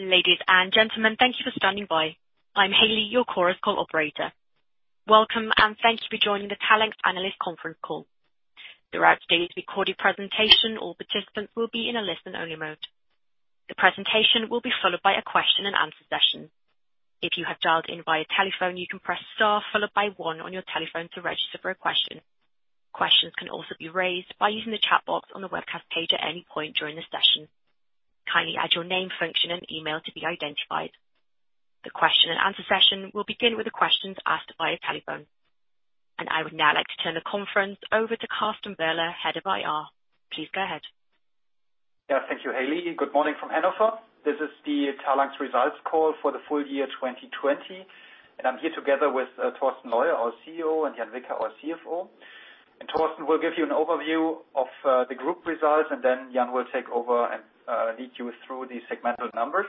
Ladies and gentlemen, thank you for standing by. I'm Hailey, your Chorus Call operator. Welcome, and thanks for joining the Talanx Analyst Conference Call. Throughout today's recorded presentation, all participants will be in a listen-only mode. The presentation will be followed by a question and answer session. If you have dialed in via telephone, you can press star followed by one on your telephone to register for a question. Questions can also be raised by using the chat box on the webcast page at any point during the session. Kindly add your name, function, and email to be identified. The question and answer session will begin with the questions asked via telephone. I would now like to turn the conference over to Carsten Werle, Head of IR. Please go ahead. Yeah, thank you, Hailey. Good morning from Hannover. This is the Talanx Results Call for the full year 2020. I'm here together with Torsten Leue, our CEO, and Jan Wicke, our CFO. Torsten will give you an overview of the group results, then Jan will take over and lead you through the segmental numbers.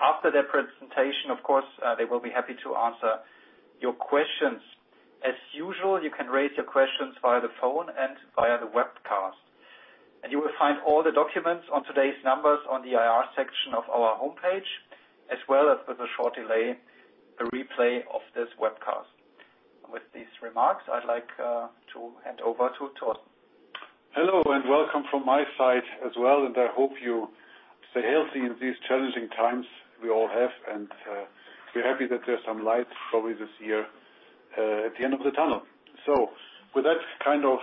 After their presentation, of course, they will be happy to answer your questions. As usual, you can raise your questions via the phone and via the webcast. You will find all the documents on today's numbers on the IR section of our homepage, as well as, with a short delay, a replay of this webcast. With these remarks, I'd like to hand over to Torsten. Hello, welcome from my side as well, and I hope you stay healthy in these challenging times we all have. We're happy that there's some light, probably this year, at the end of the tunnel. With that kind of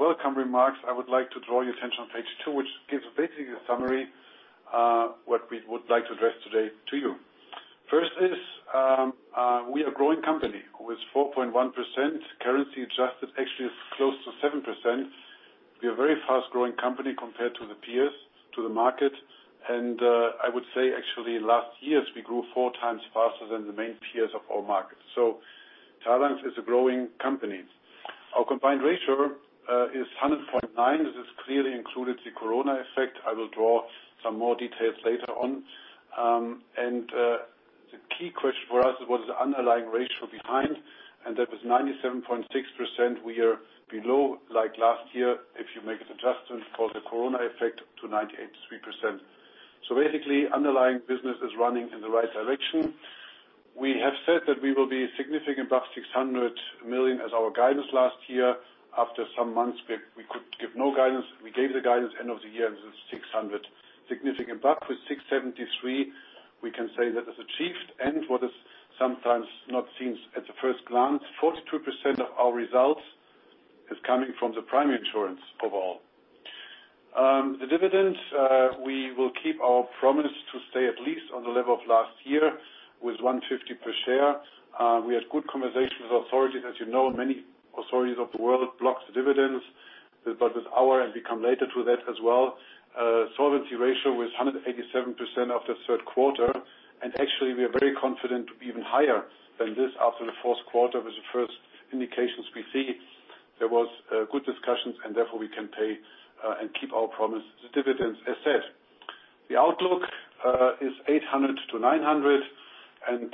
welcome remarks, I would like to draw your attention on page two, which gives basically a summary, what we would like to address today to you. First is, we are a growing company who is 4.1%, currency adjusted, actually is close to 7%. We're a very fast-growing company compared to the peers, to the market. I would say, actually, last years, we grew 4x faster than the main peers of our market. Talanx is a growing company. Our combined ratio is 100.9%. This has clearly included the Corona effect. I will draw some more details later on. The key question for us was the underlying ratio behind, and that was 97.6%. We are below, like last year, if you make an adjustment for the Corona effect, to 98.3%. Basically, underlying business is running in the right direction. We have said that we will be significant above 600 million as our guidance last year. After some months, we could give no guidance. We gave the guidance end of the year, this is 600. Significant above with 673, we can say that is achieved and what is sometimes not seen at the first glance, 42% of our results is coming from the primary insurance overall. The dividends, we will keep our promise to stay at least on the level of last year with 1.50 per share. We had good conversations with authorities. As you know, many authorities of the world blocked the dividends. We come later to that as well. Solvency ratio was 187% after third quarter. Actually, we are very confident even higher than this after the fourth quarter with the first indications we see. There was good discussions, and therefore, we can pay and keep our promise as dividends as said. The outlook is 800 million-900 million.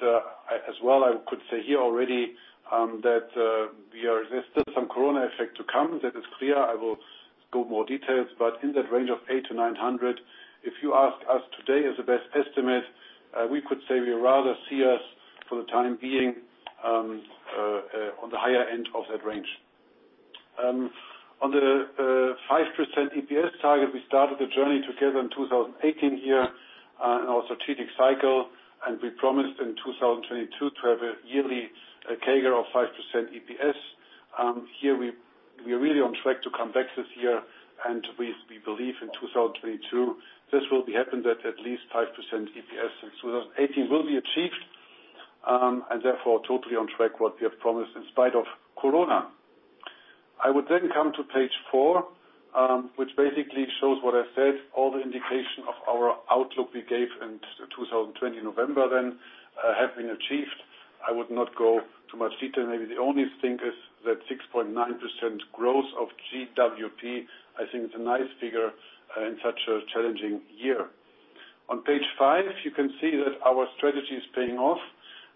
As well, I could say here already, that there's still some Corona effect to come. That is clear. I will go more details, but in that range of 800 million-900 million. If you ask us today as the best estimate, we could say we rather see us for the time being on the higher end of that range. On the 5% EPS target, we started the journey together in 2018 in our strategic cycle. We promised in 2022 to have a yearly CAGR of 5% EPS. Here, we are really on track to come back this year. We believe in 2022, this will be happened at least 5% EPS since 2018 will be achieved. Therefore, totally on track what we have promised in spite of Corona. I would then come to page four, which basically shows what I said. All the indication of our outlook we gave in 2020 November then have been achieved. I would not go too much detail. Maybe the only thing is that 6.9% growth of GWP, I think it's a nice figure in such a challenging year. On page five, you can see that our strategy is paying off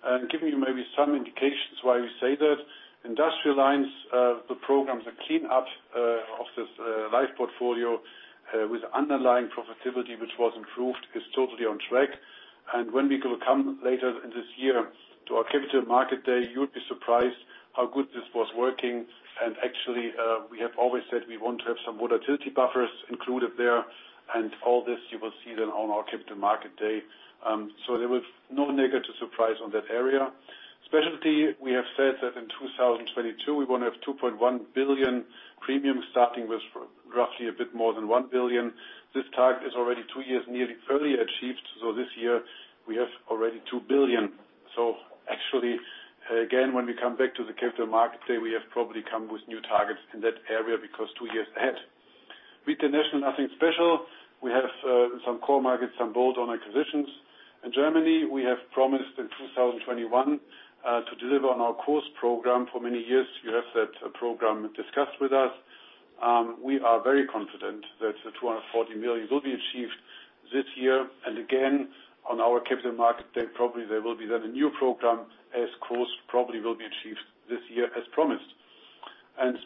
and giving you maybe some indications why we say that. Industrial Lines, the programs, the clean up of this life portfolio, with underlying profitability, which was improved, is totally on track. When we will come later in this year to our Capital Market Day, you'll be surprised how good this was working. Actually, we have always said we want to have some volatility buffers included there. All this you will see then on our Capital Market Day. There was no negative surprise on that area. Specialty, we have said that in 2022, we want to have 2.1 billion premium starting with roughly a bit more than 1 billion. This target is already two years nearly fully achieved. This year, we have already 2 billion. Actually, again, when we come back to the Capital Market Day, we have probably come with new targets in that area because two years ahead. With the [nat cat], nothing special. We have some core markets, some bolt-on acquisitions. In Germany, we have promised in 2021 to deliver on our KuRS program. For many years, you have that program discussed with us. We are very confident that the 240 million will be achieved this year. Again, on our Capital Market Day, probably there will be then a new program as KuRS probably will be achieved this year as promised.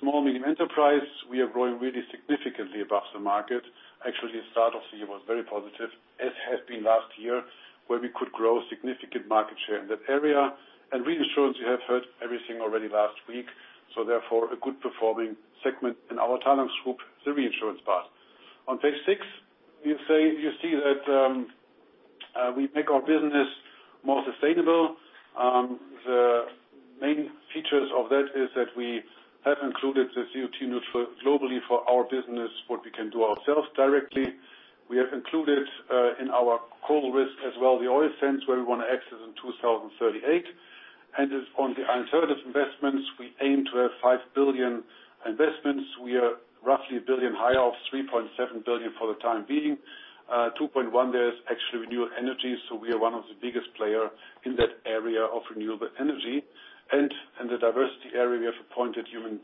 Small and medium enterprise, we are growing really significantly above the market. Actually, the start of the year was very positive, as had been last year, where we could grow significant market share in that area. Reinsurance, you have heard everything already last week, so therefore, a good performing segment in our Talanx group, the reinsurance part. On page six, you see that we make our business more sustainable. The main features of that is that we have included the CO2 neutral globally for our business, what we can do ourselves directly. We have included in our coal risk as well, the oil sands, where we want to exit in 2038. On the alternative investments, we aim to have 5 billion investments. We are roughly 1 billion higher of 3.7 billion for the time being. 2.1 billion there is actually renewable energy, we are one of the biggest player in that area of renewable energy. In the diversity area, we have appointed human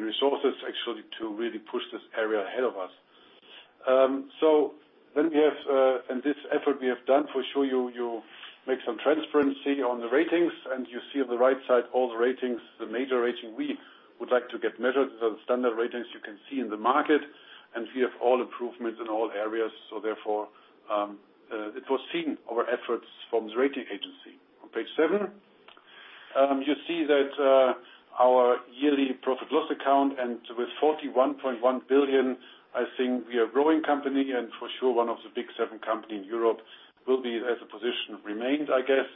resources, actually, to really push this area ahead of us. We have, in this effort we have done, to show you, make some transparency on the ratings, you see on the right side all the ratings. The major rating we would like to get measured. The standard ratings you can see in the market. We have all improvements in all areas. It was seen, our efforts from the rating agency. On page seven, you see that our yearly profit loss account. With 41.1 billion, I think we are a growing company and for sure one of the big seven company in Europe will be as the position remains, I guess.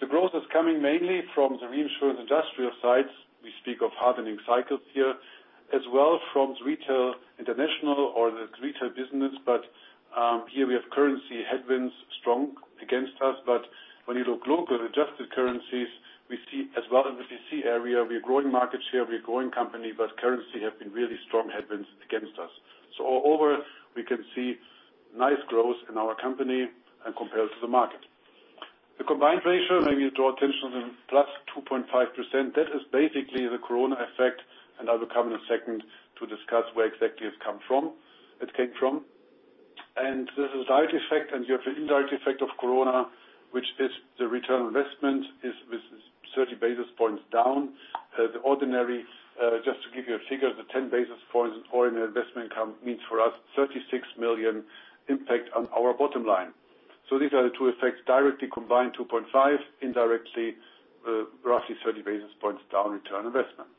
The growth is coming mainly from the reinsurance Industrial sites. We speak of hardening cycles here. From the Retail International or the retail business. Here we have currency headwinds strong against us. When you look globally, adjusted currencies, we see as well in the P&C area, we are growing market share, we are a growing company. Currency have been really strong headwinds against us. Overall, we can see nice growth in our company and compared to the market. The combined ratio, may we draw attention to the +2.5%. That is basically the corona effect, and I will come in a second to discuss where exactly it came from. There's a direct effect and you have an indirect effect of corona, which is the return on investment is with 30 basis points down. The ordinary, just to give you a figure, the 10 basis points ordinary investment income means for us, 36 million impact on our bottom line. These are the two effects, directly combined 2.5%, indirectly, roughly 30 basis points down return on investment.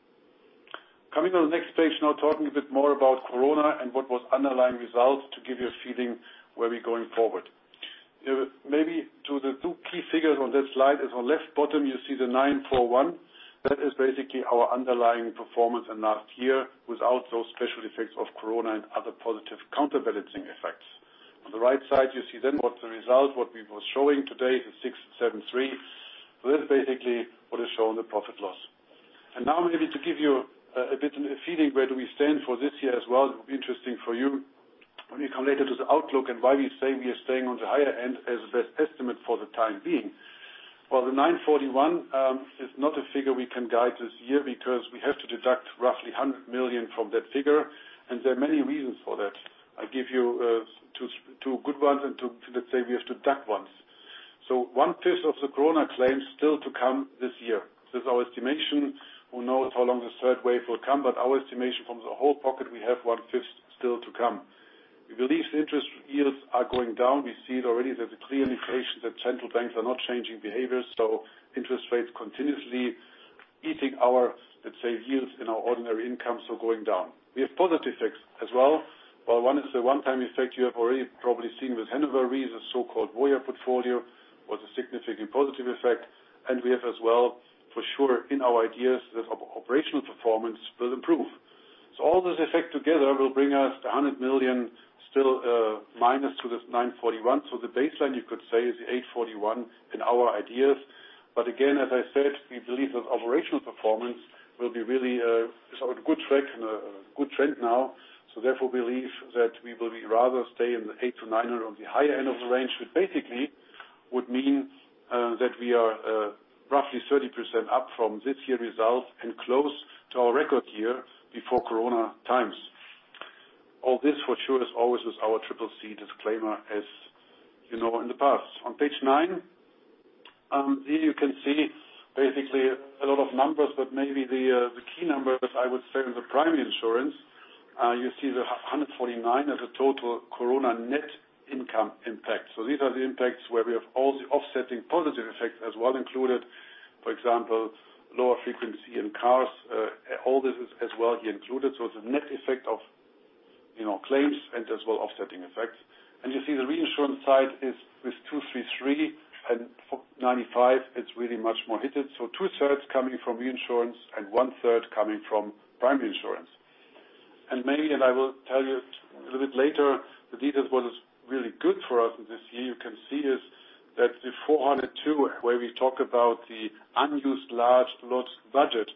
Coming to the next page now, talking a bit more about corona and what was underlying results to give you a feeling where we're going forward. Maybe to the two key figures on this slide is on left bottom, you see the 941. That is basically our underlying performance in last year without those special effects of corona and other positive counterbalancing effects. On the right side, you see then what the result, what we were showing today, the 673. That is basically what is shown in the profit loss. Now maybe to give you a bit of a feeling where do we stand for this year as well. It will be interesting for you when we come later to the outlook and why we say we are staying on the higher end as the best estimate for the time being. While the 941 is not a figure we can guide this year because we have to deduct roughly 100 million from that figure, and there are many reasons for that. I give you two good ones and two, let's say we have to deduct ones. 1/5 of the corona claims still to come this year. This is our estimation. Who knows how long the third wave will come, our estimation from the whole pocket, we have 1/5 still to come. We believe the interest yields are going down. We see it already. There's a clear indication that central banks are not changing behaviors, interest rates continuously eating our, let's say, yields in our ordinary income, going down. We have positive effects as well. While one is a one-time effect, you have already probably seen with Hannover Re, the so-called Viridium portfolio, was a significant positive effect. We have as well, for sure, in our ideas, that our operational performance will improve. All this effect together will bring us to 100 million still, minus to this 941. The baseline you could say is 841 in our ideas. Again, as I said, we believe that operational performance is on a good track and a good trend now. Therefore, believe that we will be rather stay in the 8%-9% or on the higher end of the range, which basically would mean that we are roughly 30% up from this year results and close to our record year before corona times. All this for sure is always with our triple C disclaimer, as you know in the past. On page nine, here you can see basically a lot of numbers, but maybe the key numbers I would say in the primary insurance, you see the 149 as a total corona net income impact. These are the impacts where we have all the offsetting positive effects as well included. For example, lower frequency in cars, all this is as well here included. It's a net effect of claims and as well offsetting effects. You see the reinsurance side is with 233 and 495, it's really much more hit it. 2/3 coming from reinsurance and 1/3 coming from primary insurance. Maybe, and I will tell you a little bit later, the details what is really good for us this year, you can see is that the 402, where we talk about the unused large loss budget.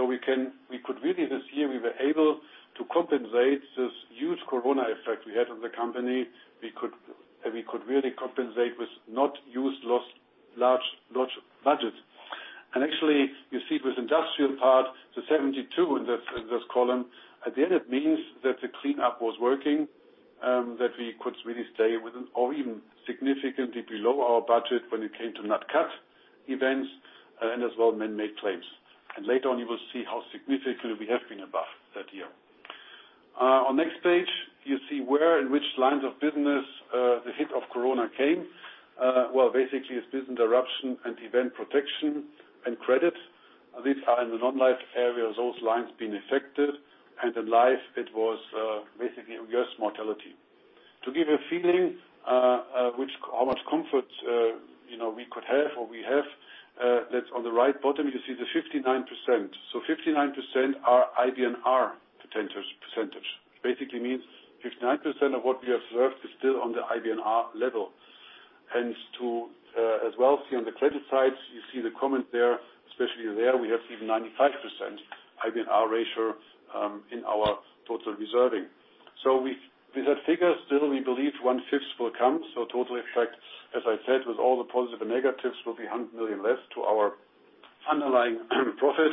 We could really this year, we were able to compensate this huge corona effect we had on the company. We could really compensate with not used large loss budgets. Actually, you see with industrial part, the 72 in this column, at the end it means that the cleanup was working. That we could really stay within or even significantly below our budget when it came to nat cat events and as well, man-made claims. Later on, you will see how significantly we have been above that year. On next page, you see where, in which lines of business, the hit of corona came. Well, basically it's business interruption and event protection and credit. These are in the non-life areas, those lines being affected, and in life, it was basically U.S. mortality. To give a feeling of how much comfort we could have or we have, that's on the right bottom, you see the 59%. 59% are IBNR percentage. Basically means 69% of what we have reserved is still on the IBNR level. As well, see on the credit side, you see the comment there, especially there, we have even 95% IBNR ratio in our total reserving. With that figure, still we believe 1/5 will come, total effect, as I said, with all the positive and negatives, will be 100 million less to our underlying profit.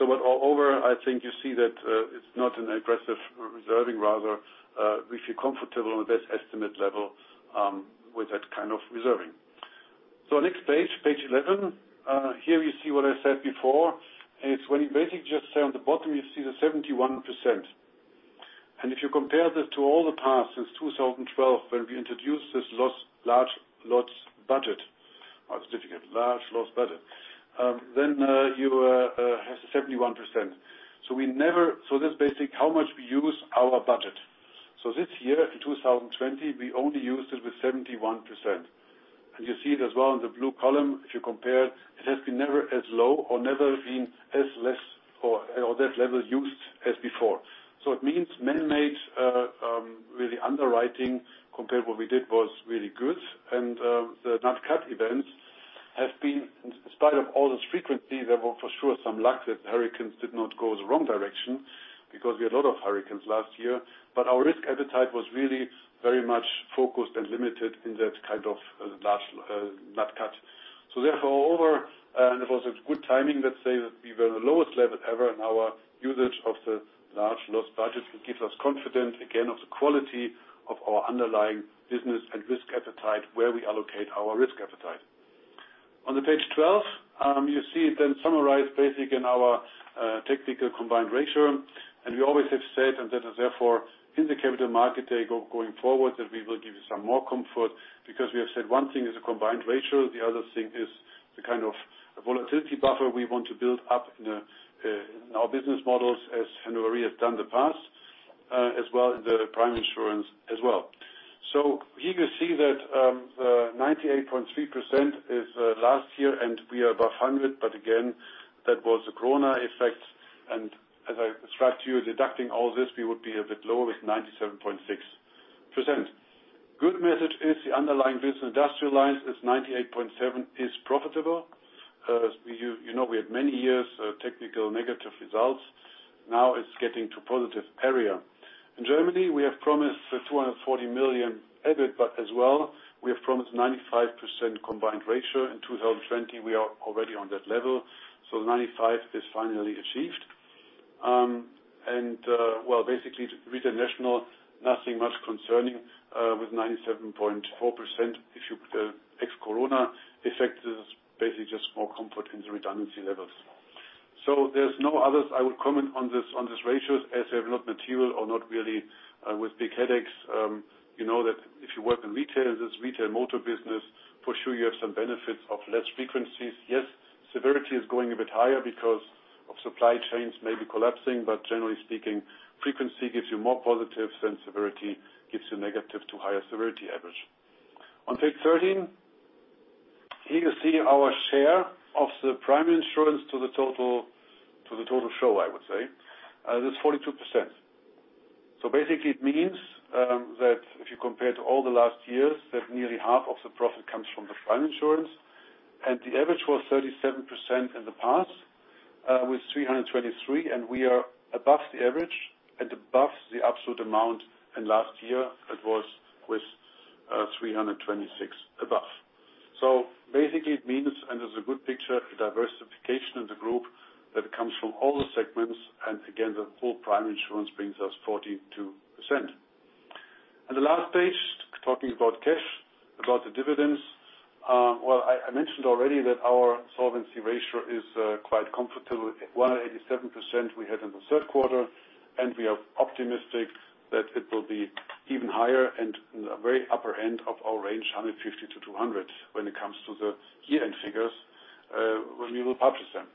Overall, I think you see that it's not an aggressive reserving. Rather, we feel comfortable on this estimate level with that kind of reserving. Next page 11. Here you see what I said before. It's when you basically just see on the bottom, you see the 71%. If you compare that to all the past since 2012, when we introduced this large loss budget. You have 71%. This is basically how much we use our budget. This year, in 2020, we only used it with 71%. You see it as well in the blue column, if you compare, it has been never as low or never been as less or that level used as before. It means man-made, really underwriting, compared to what we did, was really good. The nat cat events have been, in spite of all this frequency, there were for sure some luck that hurricanes did not go the wrong direction, because we had a lot of hurricanes last year. Our risk appetite was really very much focused and limited in that kind of nat cat. Therefore, overall, and it was a good timing, let's say, that we were the lowest level ever in our usage of the large loss budget. It gives us confidence, again, of the quality of our underlying business and risk appetite, where we allocate our risk appetite. On page 12, you see it summarized basically in our technical combined ratio. We always have said, and that is therefore in the Capital Market Day going forward, that we will give you some more comfort, because we have said one thing is a combined ratio. The other thing is the kind of volatility buffer we want to build up in our business models, as Hannover Re has done in the past, as well as the prime insurance as well. Here you see that 98.3% is last year, and we are above 100%. Again, that was a corona effect. As I described to you, deducting all this, we would be a bit lower with 97.6%. Good message is the underlying business Industrial Lines is 98.7% is profitable. As you know, we had many years of technical negative results. Now it's getting to positive area. In Germany, we have promised 240 million EBITDA. As well, we have promised 95% combined ratio. In 2020, we are already on that level. 95% is finally achieved. Well, basically, with the nat cat, nothing much concerning with 97.4%. If you put the ex-corona effect, is basically just more comfort in the redundancy levels. There's no others I will comment on these ratios, as they're not material or not really with big headaches. You know that if you work in retail, in this retail motor business, for sure you have some benefits of less frequencies. Yes, severity is going a bit higher because of supply chains maybe collapsing. Generally speaking, frequency gives you more positives than severity gives you negative to higher severity average. On page 13, here you see our share of the primary insurance to the total show, I would say. That's 42%. Basically, it means that if you compare to all the last years, that nearly half of the profit comes from the primary insurance. The average was 37% in the past, with 323, and we are above the average and above the absolute amount in last year. It was with 326 above. Basically, it means, and there's a good picture, diversification in the group that comes from all the segments. Again, the full primary insurance brings us 42%. The last page, talking about cash, about the dividends. Well, I mentioned already that our solvency ratio is quite comfortable. 187% we had in the third quarter, and we are optimistic that it will be even higher and in the very upper end of our range, 150%-200%, when it comes to the year-end figures, when we will publish them.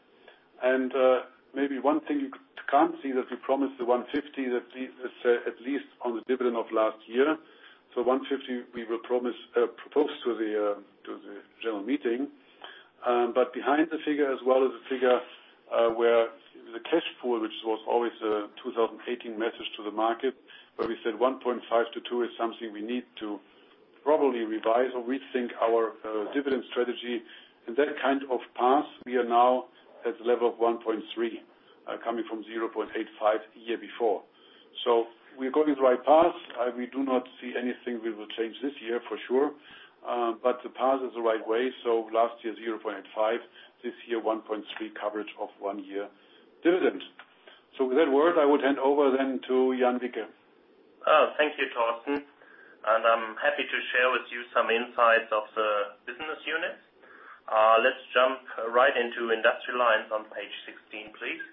Maybe one thing you can't see, that we promised the 150, at least on the dividend of last year. 150, we will propose to the general meeting. Behind the figure, as well as the figure where the cash pool, which was always a 2018 message to the market, where we said 1.5x-2x is something we need to probably revise or rethink our dividend strategy. In that kind of path, we are now at the level of 1.3x, coming from 0.85x the year before. We're going the right path. We do not see anything we will change this year, for sure. The path is the right way. Last year, 0.5x. This year, 1.3x coverage of one year dividend. With that word, I would hand over to Jan Wicke. Oh, thank you, Torsten. I'm happy to share with you some insights of the business units. Let's jump right into Industrial Lines on page 16, please.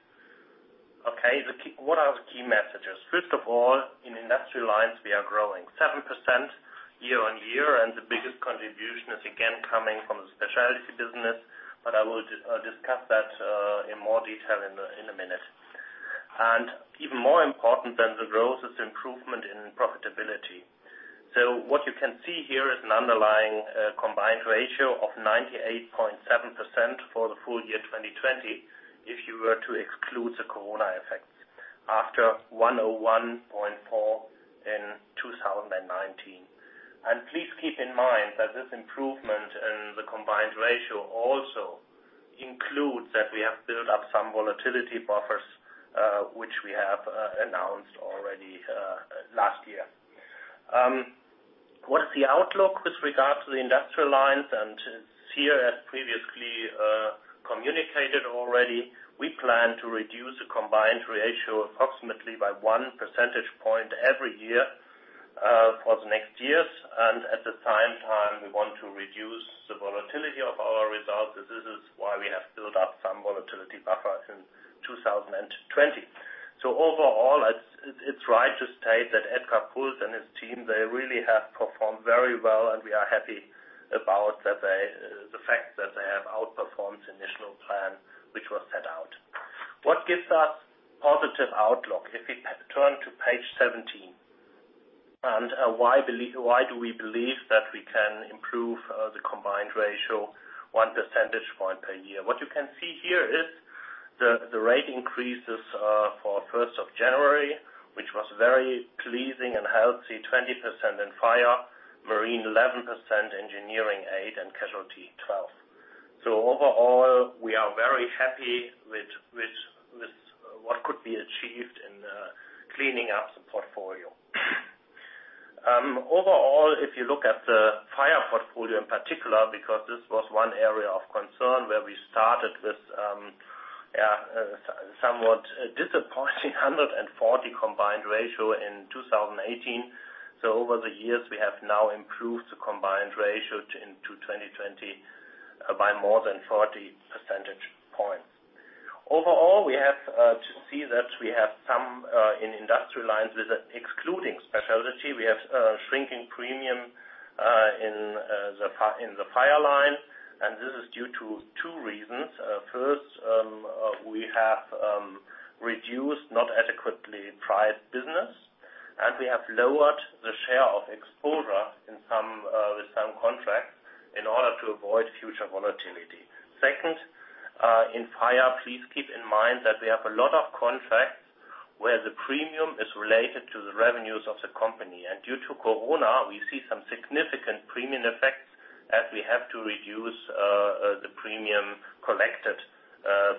Okay. What are the key messages? First of all, in Industrial Lines, we are growing 7% year-on-year. The biggest contribution is again coming from the Specialty business. I will discuss that in more detail in a minute. Even more important than the growth is improvement in profitability. What you can see here is an underlying combined ratio of 98.7% for the full year 2020, if you were to exclude the corona effect, after 101.4% in 2019. Please keep in mind that this improvement in the combined ratio also includes that we have built up some volatility buffers, which we have announced already last year. What is the outlook with regard to the Industrial Lines? Here, as previously communicated already, we plan to reduce the combined ratio approximately by one percentage point every year for the next years. At the same time, we want to reduce the volatility of our results. This is why we have built up some volatility buffers in 2020. Overall, it's right to state that Edgar Puls and his team, they really have performed very well, and we are happy about the fact that they have outperformed the initial plan, which was set out. What gives us positive outlook? If we turn to page 17. Why do we believe that we can improve the combined ratio one percentage point per year? What you can see here is the rate increases for 1st of January, which was very pleasing and healthy, 20% in fire, marine 11%, engineering 8%, and casualty 12%. Overall, we are very happy with what could be achieved in cleaning up the portfolio. Overall, if you look at the fire portfolio in particular, because this was one area of concern where we started with a somewhat disappointing 140 combined ratio in 2018. Over the years, we have now improved the combined ratio into 2020 by more than 40 percentage points. Overall, we have to see that we have some, in Industrial Lines, excluding Specialty, we have shrinking premium in the fire line. This is due to two reasons. First, we have reduced not adequately priced business, and we have lowered the share of exposure with some contracts in order to avoid future volatility. Second, in fire, please keep in mind that we have a lot of contracts where the premium is related to the revenues of the company. Due to Corona, we see some significant premium effects as we have to reduce the premium collected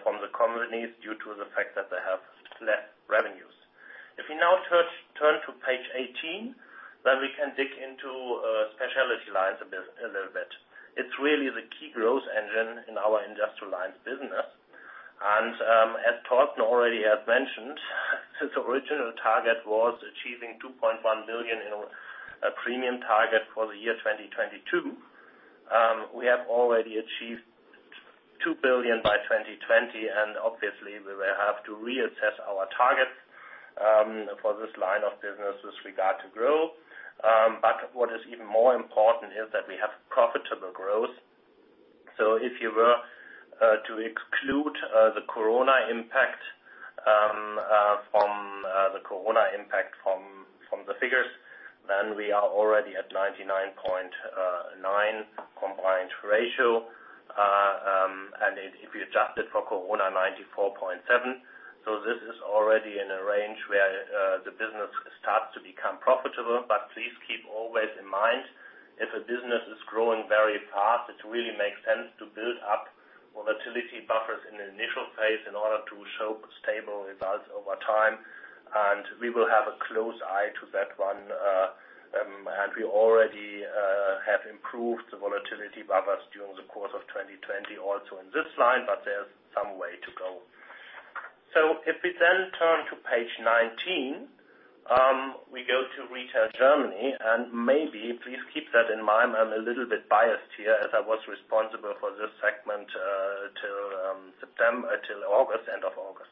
from the companies due to the fact that they have less revenues. If we now turn to page 18, we can dig into Specialty lines a little bit. It's really the key growth engine in our Industrial Lines business. As Torsten already has mentioned, his original target was achieving 2.1 billion in a premium target for the year 2022. We have already achieved 2 billion by 2020, obviously, we will have to reassess our targets for this line of business with regard to growth. What is even more important is that we have profitable growth. If you were to exclude the Corona impact from the figures, we are already at 99.9% combined ratio. If you adjust it for Corona, 94.7%. This is already in a range where the business starts to become profitable. Please keep always in mind, if a business is growing very fast, it really makes sense to build up volatility buffers in the initial phase in order to show stable results over time. We will have a close eye to that one. We already have improved the volatility buffers during the course of 2020 also in this line, but there's some way to go. If we then turn to page 19, we go to Retail Germany, and maybe please keep that in mind. I'm a little bit biased here, as I was responsible for this segment till end of August.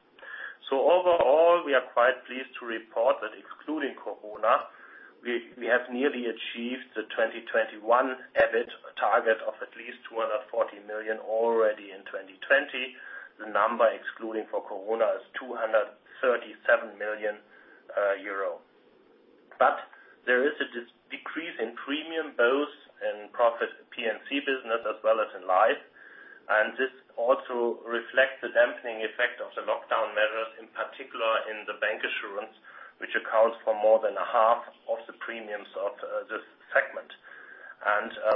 Overall, we are quite pleased to report that excluding Corona, we have nearly achieved the 2021 EBITDA target of at least 240 million already in 2020. The number excluding for corona is 237 million euro. There is a decrease in premium, both in P&C business as well as in life. This also reflects the dampening effect of the lockdown measures, in particular in the bancassurance, which accounts for more than a half of the premiums of this segment.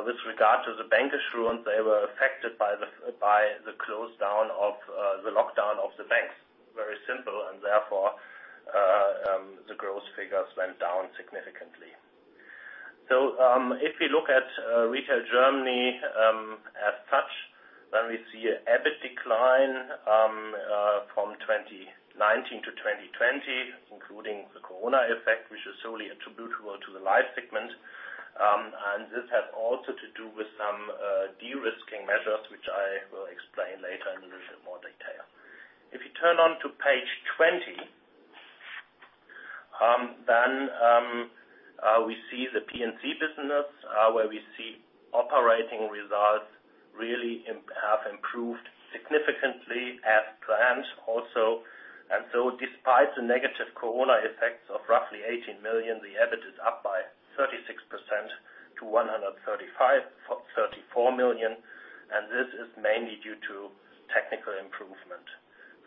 With regard to the bancassurance, they were affected by the close down of the lockdown of the banks. Very simple. The gross figures went down significantly. If we look at Retail Germany as such, then we see an EBITDA decline from 2019 to 2020, including the corona effect, which is solely attributable to the life segment. This has also to do with some de-risking measures, which I will explain later in a little bit more detail. If you turn on to page 20, then we see the P&C business, where we see operating results really have improved significantly as planned also. Despite the negative corona effects of roughly 18 million, the EBITDA is up by 36% to 134 million. This is mainly due to technical improvement.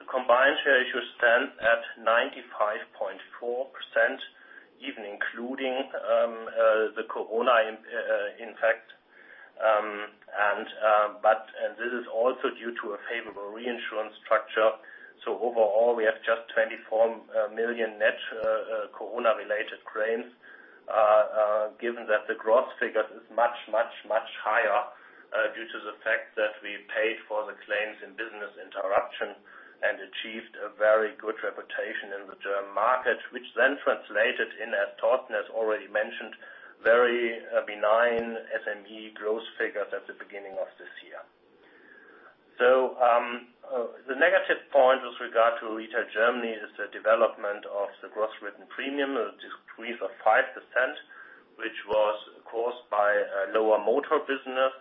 The combined ratio stands at 95.4%, even including the Corona impact. This is also due to a favorable reinsurance structure. Overall, we have just 24 million net Corona-related claims. Given that the gross figure is much higher due to the fact that we paid for the claims in business interruption and achieved a very good reputation in the German market, which then translated in, as Torsten has already mentioned, very benign SME growth figures at the beginning of this year. The negative point with regard to Retail Germany is the development of the gross written premium, a decrease of 5%, which was caused by a lower motor business,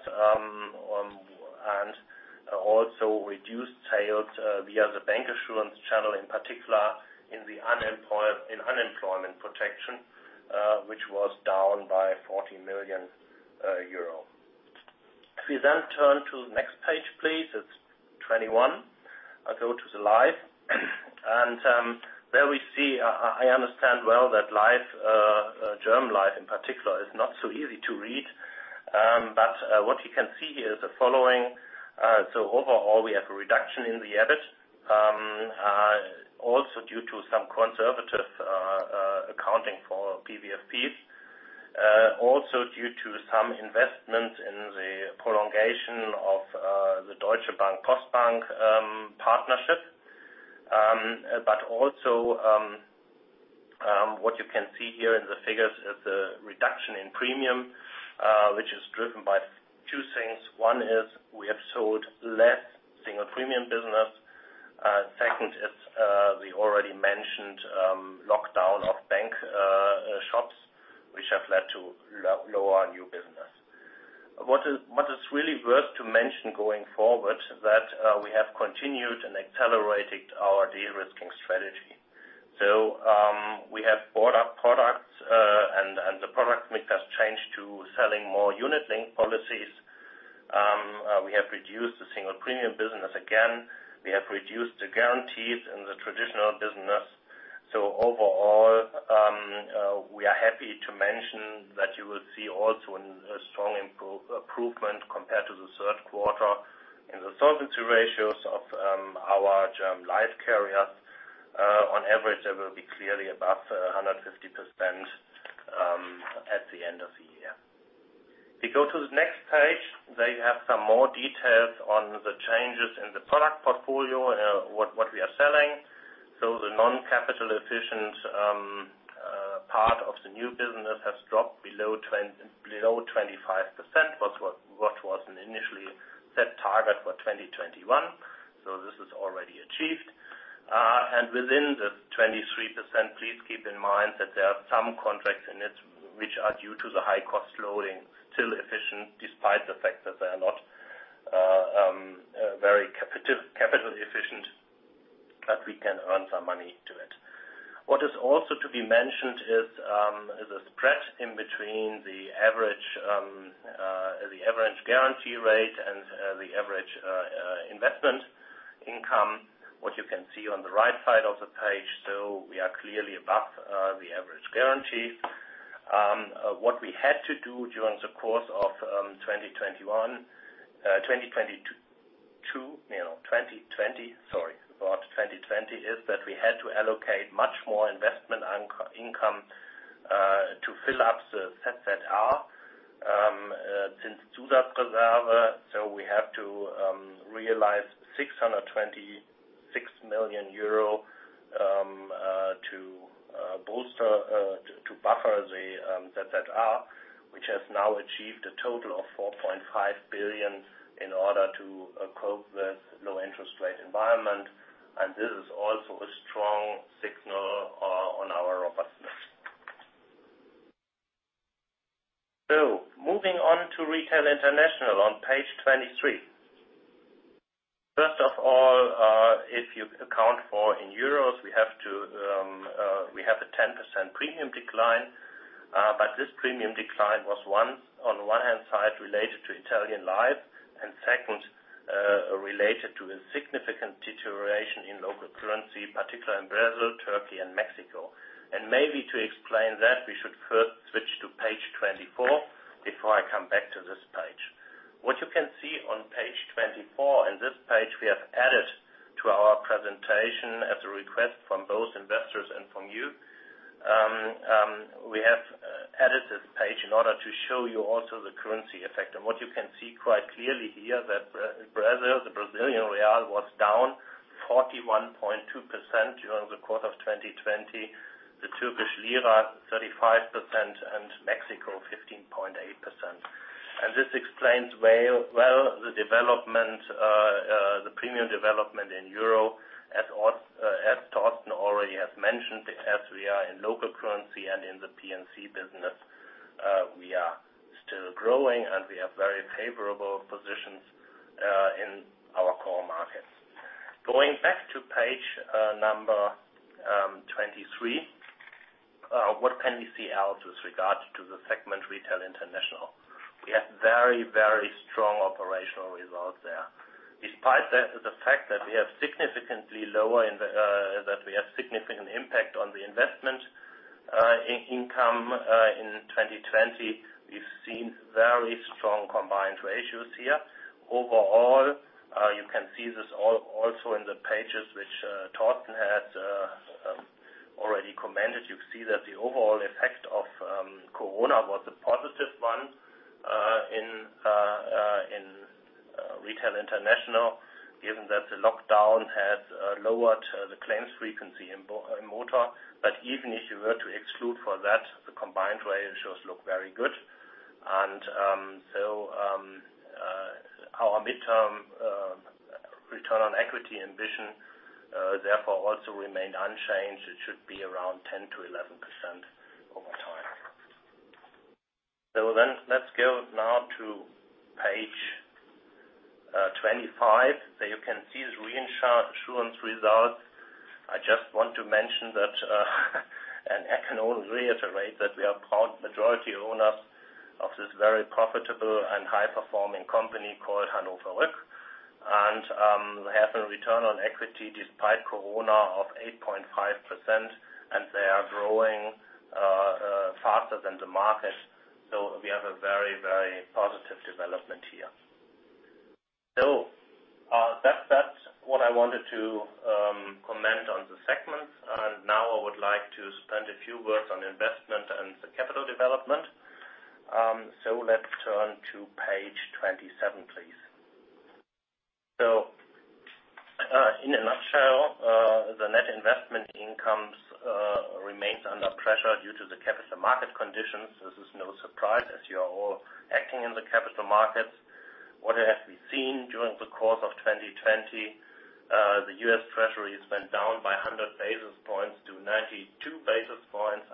and also reduced sales via the bancassurance channel, in particular in unemployment protection, which was down by 40 million euro. If we turn to the next page, please. It is 21. I go to the life. There we see, I understand well that German Life in particular is not so easy to read. What you can see here is the following. Overall, we have a reduction in the EBITDA. Also due to some conservative accounting for PVFPs. Also due to some investments in the prolongation of the Deutsche Bank, Postbank partnership. Also, what you can see here in the figures is the reduction in premium, which is driven by two things. One is we have sold less single premium business. Second is the already mentioned lockdown of bank shops, which have led to lower new business. What is really worth to mention going forward, that we have continued and accelerated our de-risking strategy. We have bought up products, and the product mix has changed to selling more unit-linked policies. We have reduced the single premium business again. We have reduced the guarantees in the traditional business. Overall, we are happy to mention that you will see also a strong improvement compared to the third quarter in the solvency ratios of our term life carriers. On average, they will be clearly above 150% at the end of the year. We go to the next page. There you have some more details on the changes in the product portfolio, what we are selling. The non-capital efficient part of the new business has dropped below 25%, what was an initially set target for 2021. This is already achieved. Within the 23%, please keep in mind that there are some contracts in it, which are due to the high cost loading, still efficient despite the fact that they are not very capital efficient, but we can earn some money to it. What is also to be mentioned is the spread in between the average guarantee rate and the average investment income, what you can see on the right side of the page. We are clearly above the average guarantee. What we had to do during the course of 2020 is that we had to allocate much more investment income to fill up the ZZR. Since 2020, we have to realize 626 million euro to buffer the ZZR, which has now achieved a total of 4.5 billion in order to cope with low interest rate environment. This is also a strong signal on our robustness. Moving on to Retail International on page 23. First of all, if you account for in euro, we have a 10% premium decline. This premium decline was on one hand side related to Italian Life, and second, related to a significant deterioration in local currency, particularly in Brazil, Turkey, and Mexico. Maybe to explain that, we should first switch to page 24 before I come back to this page. What you can see on page 24, and this page we have added to our presentation at the request from both investors and from you. We have added this page in order to show you also the currency effect. What you can see quite clearly here, that the Brazilian real was down 41.2% during the quarter of 2020. The Turkish lira, 35%, and Mexico 15.8%. This explains well the premium development in euro. As Torsten already has mentioned, as we are in local currency and in the P&C business, we are still growing, and we have very favorable positions in our core markets. Going back to page number 23. What can we see else with regard to the segment Retail International? We have very strong operational results there. Despite the fact that we have significant impact on the investment income in 2020, we've seen very strong combined ratios here. Overall, you can see this also in the pages which Torsten has already commented. You see that the overall effect of COVID was a positive one in Retail International, given that the lockdown has lowered the claims frequency in motor. Even if you were to exclude for that, the combined ratios look very good. Our midterm return on equity ambition, therefore, also remained unchanged. It should be around 10%-11% over time. Let's go now to page 25. There you can see the reinsurance results. I just want to mention that and I can only reiterate that we are proud majority owner of this very profitable and high-performing company called Hannover Rück. We have a return on equity despite COVID of 8.5%, and they are growing faster than the market. We have a very positive development here. That's what I wanted to comment on the segments. Now I would like to spend a few words on investment and the capital development. Let's turn to page 27, please. In a nutshell, the net investment income remains under pressure due to the capital market conditions. This is no surprise as you are all acting in the capital markets. What has been seen during the course of 2020, the U.S. Treasuries went down by 100 basis points to 92 basis points.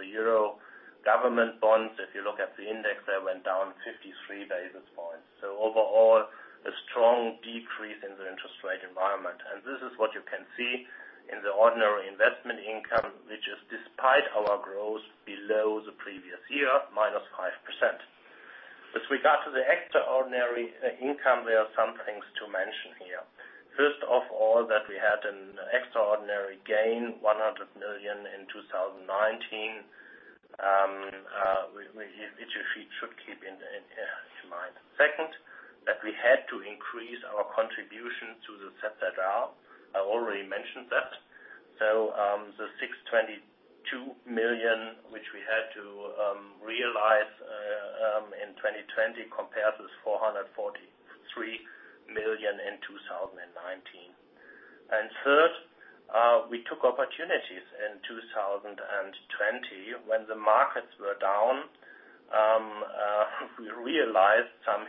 The euro government bonds, if you look at the index, they went down 53 basis points. Overall, a strong decrease in the interest rate environment. This is what you can see in the ordinary investment income, which is despite our growth below the previous year, -5%. With regard to the extraordinary income, there are some things to mention here. First of all, that we had an extraordinary gain, 100 million in 2019, which you should keep in mind. Second, that we had to increase our contribution to the ZZR. I already mentioned that. The 622 million, which we had to realize in 2020, compared to the 443 million in 2019. Third, we took opportunities in 2020 when the markets were down. We realized some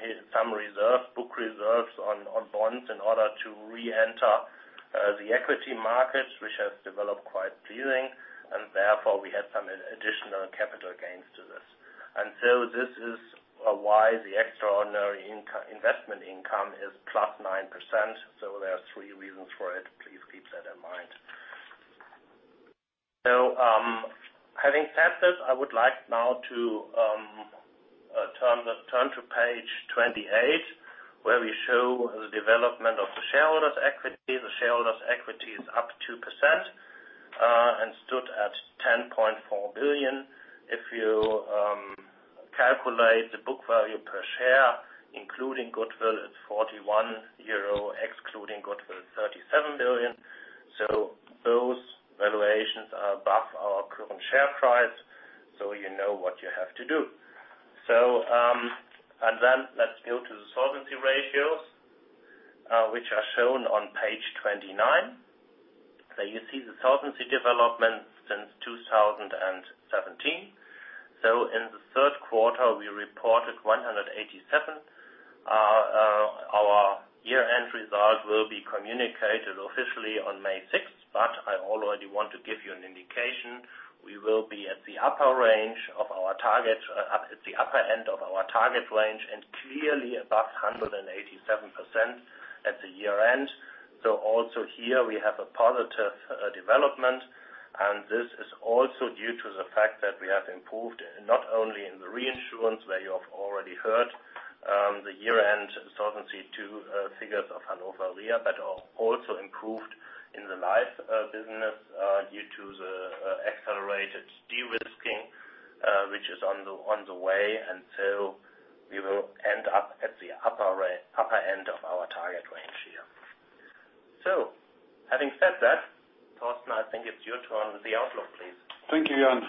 book reserves on bonds in order to re-enter the equity markets, which has developed quite pleasing. Therefore, we had some additional capital gains to this. This is why the extraordinary investment income is +9%. There are three reasons for it. Please keep that in mind. Having said this, I would like now to turn to page 28, where we show the development of the shareholders' equity. The shareholders' equity is up 2%, and stood at 10.4 billion. If you calculate the book value per share, including goodwill, it's 41 euro. Excluding goodwill, 37 billion. Those valuations are above our current share price. You know what you have to do. Let's go to the solvency ratios, which are shown on page 29. There you see the solvency development since 2017. In the third quarter, we reported 187%. Our year-end result will be communicated officially on May 6th, but I already want to give you an indication. We will be at the upper end of our target range and clearly above 187% at the year-end. Also here we have a positive development, and this is also due to the fact that we have improved, not only in the reinsurance, where you have already heard the year-end Solvency 2 figures of Hannover Re, but also improved in the life business, due to the accelerated de-risking, which is on the way. We will end up at the upper end of our target range here. Having said that, Torsten, I think it's your turn with the outlook, please. Thank you, Jan.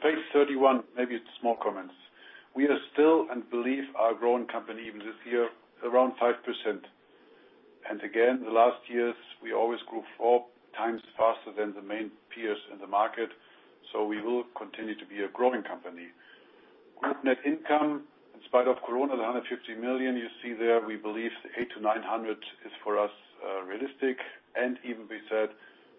Page 31, maybe it's more comments. We are still and believe are a growing company even this year, around 5%. Again, the last years, we always grew four times faster than the main peers in the market. We will continue to be a growing company. Group net income, in spite of corona, the 150 million you see there, we believe the 800-900 million is for us realistic. Even we said,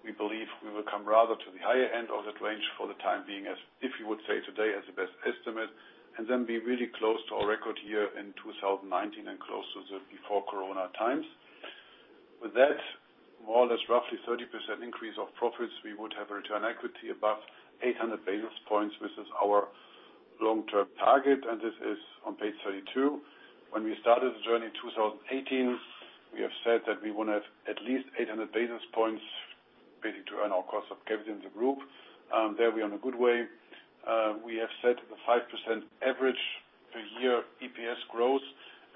we believe we will come rather to the higher end of that range for the time being as if you would say today as the best estimate, and then be really close to our record year in 2019 and close to the before corona times. With that, more or less roughly 30% increase of profits, we would have return equity above 800 basis points, which is our long-term target, and this is on page 32. When we started the journey in 2018, we have said that we want to have at least 800 basis points basically to earn our cost of capital in the group. There we are in a good way. We have set the 5% average per year EPS growth,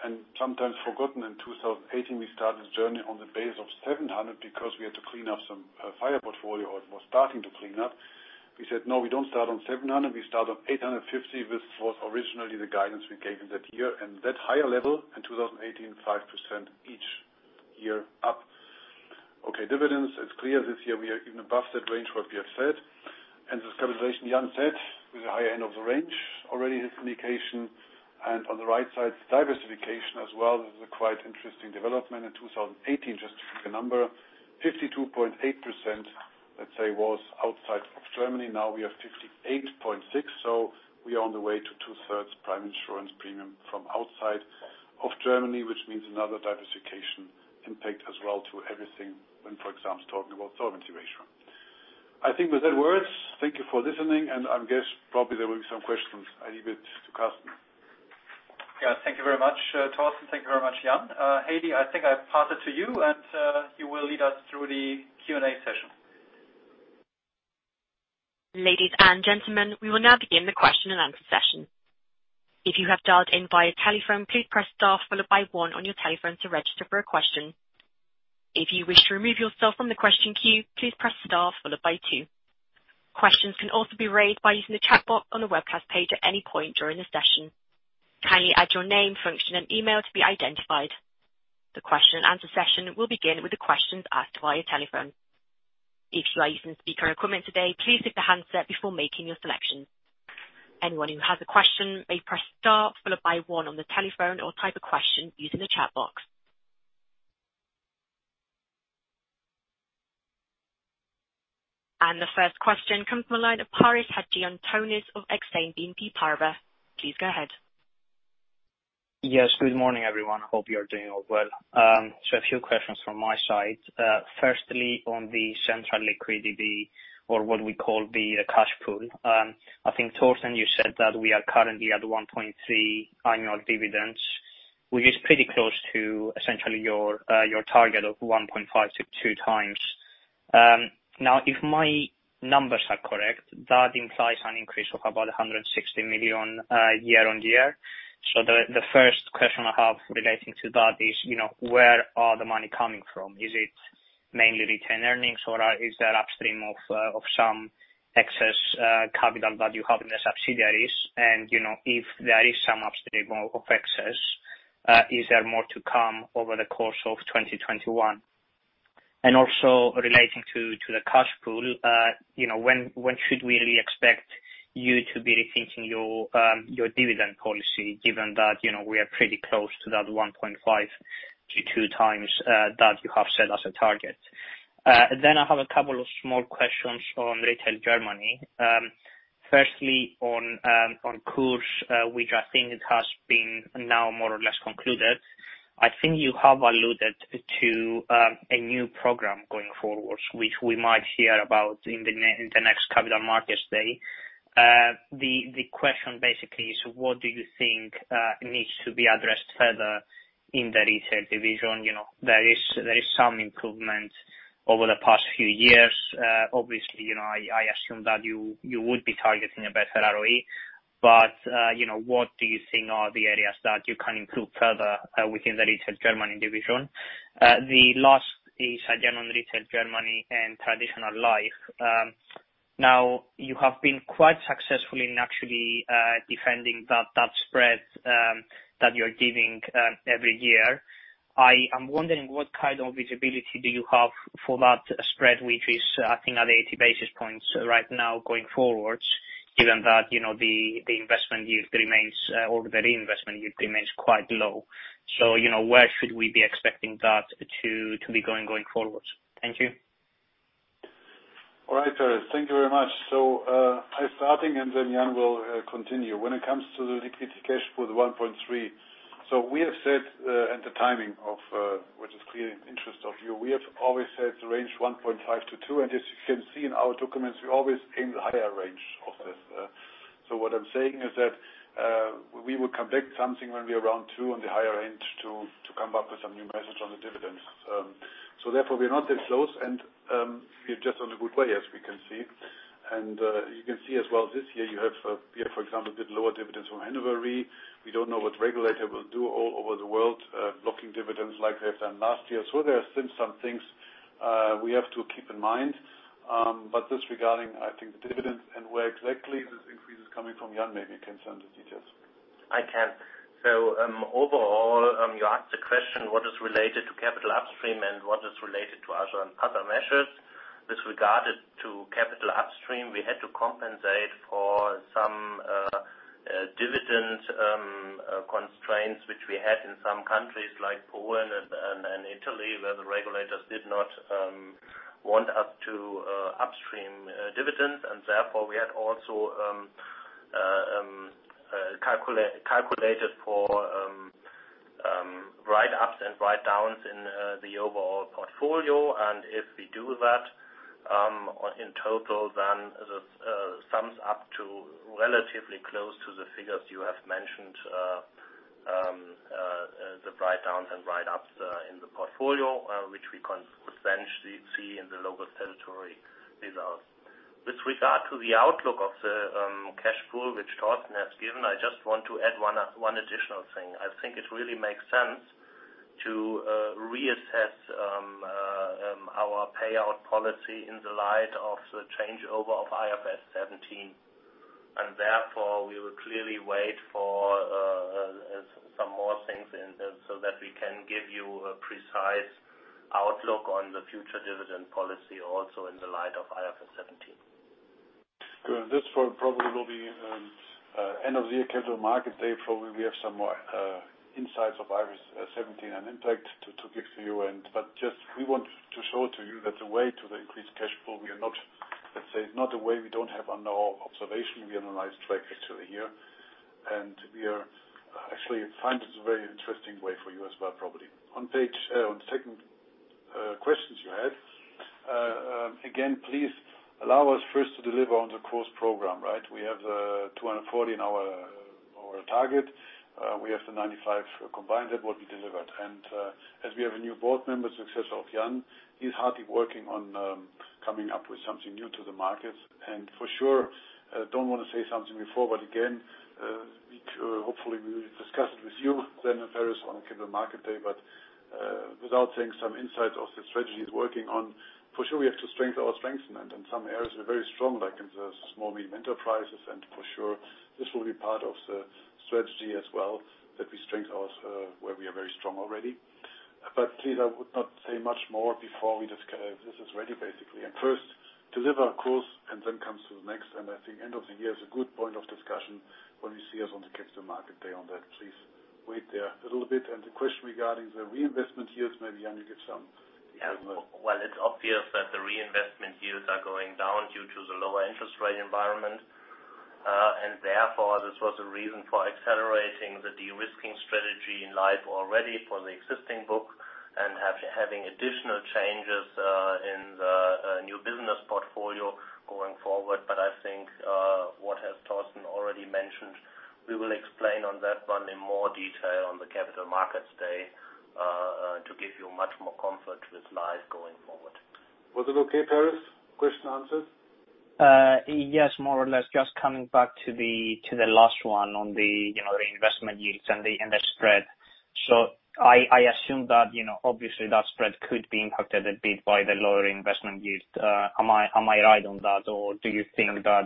and sometimes forgotten in 2018, we started this journey on the base of 700 because we had to clean up some fire portfolio, or it was starting to clean up. We said, "No, we don't start on 700 basis points. We start on 850." This was originally the guidance we gave in that year. That higher level in 2018, 5% each year up. Okay, dividends. This year we are even above that range what we have said. This capitalization Jan said, with the higher end of the range already his communication. On the right side, diversification as well. This is a quite interesting development. In 2018, just to give you a number, 52.8%, let's say, was outside of Germany. Now we are 58.6. We are on the way to 2/3 prime insurance premium from outside of Germany, which means another diversification impact as well to everything when, for example, talking about solvency ratio. I think with that words, thank you for listening, and I guess probably there will be some questions. I leave it to Carsten. Yeah. Thank you very much, Torsten. Thank you very much, Jan. Hailey, I think I pass it to you, and you will lead us through the Q&A session. Ladies and gentlemen, we will now begin the question and answer session. If you have dialed in via telephone, please press star followed by one on your telephone to register for a question. If you wish to remove yourself from the question queue, please press star followed by two. Questions can also be raised by using the chat box on the webcast page at any point during the session. Kindly add your name, function, and email to be identified. The question and answer session will begin with the questions asked via telephone. If you are using speaker equipment today, please lift the handset before making your selection. Anyone who has a question may press star followed by one on the telephone or type a question using the chat box. The first question comes from the line of Paris Hadjiantonis of Exane BNP Paribas. Please go ahead. Yes. Good morning, everyone. Hope you are doing all well. A few questions from my side. Firstly, on the central liquidity or what we call the cash pool. I think Torsten, you said that we are currently at 1.3 x annual dividends, which is pretty close to essentially your target of 1.5x-2x. If my numbers are correct, that implies an increase of about 160 million year-on-year. The first question I have relating to that is, where are the money coming from? Is it mainly retained earnings or is there upstream of some excess capital that you have in the subsidiaries? If there is some upstream of excess, is there more to come over the course of 2021? Also relating to the cash pool, when should we really expect you to be rethinking your dividend policy, given that we are pretty close to that 1.5x-2x that you have set as a target? I have a couple of small questions on Retail Germany. Firstly, on KuRS, which I think it has been now more or less concluded. I think you have alluded to a new program going forwards, which we might hear about in the next Capital Market Day. The question basically is, what do you think needs to be addressed further in the retail division? There is some improvement over the past few years. Obviously, I assume that you would be targeting a better ROE. What do you think are the areas that you can improve further within the Retail Germany division? The last is again on Retail Germany and traditional life. You have been quite successful in actually defending that spread that you're giving every year. I am wondering what kind of visibility do you have for that spread, which is I think at 80 basis points right now going forwards, given that the investment yield remains, or the reinvestment yield remains quite low. Where should we be expecting that to be going forwards? Thank you. All right, Paris. Thank you very much. I starting, and then Jan will continue. When it comes to the liquidity cash for the 1.3x. We have said, and the timing of which is clear in interest of you, we have always said the range 1.5x2x. As you can see in our documents, we always aim the higher range of this. What I'm saying is that we will come back something when we're around two on the higher end to come up with some new message on the dividends. Therefore, we're not that close, and we're just on a good way, as we can see. You can see as well this year you have, for example, a bit lower dividends from Hannover Re. We don't know what regulator will do all over the world, blocking dividends like they've done last year. There are still some things we have to keep in mind. Disregarding, I think the dividends and where exactly this increase is coming from, Jan, maybe you can turn the details. I can. Overall, you asked the question, what is related to capital upstream and what is related to other measures. With regard to capital upstream, we had to compensate for some dividend constraints, which we had in some countries like Poland and Italy, where the regulators did not want us to upstream dividends. Therefore, we had also calculated for write-ups and write-downs in the overall portfolio. If we do that, in total, then this sums up to relatively close to the figures you have mentioned, the write-downs and write-ups in the portfolio, which we can essentially see in the local statutory results. With regard to the outlook of the cash pool, which Torsten has given, I just want to add one additional thing. I think it really makes sense to reassess our payout policy in the light of the changeover of IFRS 17. Therefore, we will clearly wait for some more things in them so that we can give you a precise outlook on the future dividend policy also in the light of IFRS 17. Good. This one probably will be end of the year Capital Market Day. Probably, we have some more insights of IFRS 17 and impact to give to you. Just we want to show to you that the way to the increased cash flow, let's say, is not a way we don't have on our observation. We analyzed track actually here. We are actually find this a very interesting way for you as well, probably. On the second questions you had, again, please allow us first to deliver on the KuRS program. We have the 240 basis points in our target. We have the 95% combined that what we delivered. As we have a new board member, successor of Jan, he's hard working on coming up with something new to the market. For sure, don't want to say something before, but again, hopefully, we will discuss it with you then, Paris, on Capital Market Day. Without saying some insights of the strategies working on, for sure we have to strengthen our strength. In some areas, we're very strong, like in the small/medium enterprises. For sure, this will be part of the strategy as well, that we strength where we are very strong already. Please, I would not say much more before this is ready, basically. First, deliver course and then come to the next. I think end of the year is a good point of discussion when you see us on the Capital Market Day on that. Please wait there a little bit. The question regarding the reinvestment yields, maybe Jan, you give some. Yeah. Well, it's obvious that the reinvestment yields are going down due to the lower interest rate environment. Therefore, this was a reason for accelerating the de-risking strategy in life already for the existing book and having additional changes in the new business portfolio going forward. I think, what has Torsten already mentioned, we will explain on that one in more detail on the Capital Market Day to give you much more comfort with life going forward. Was it okay, Paris? Question answered? Yes, more or less. Just coming back to the last one on the reinvestment yields and the spread. I assume that, obviously, that spread could be impacted a bit by the lower investment yield. Am I right on that, or do you think that